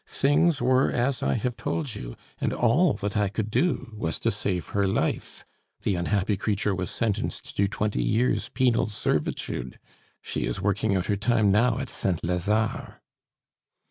Things were as I have told you, and all that I could do was to save her life. The unhappy creature was sentenced to twenty years' penal servitude. She is working out her time now at St. Lazare."